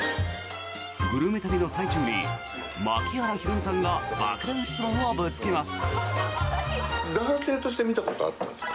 グルメ旅の最中に槙原寛己さんが爆弾質問をぶつけます。